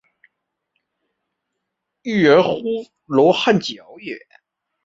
曷言乎罗汉脚也？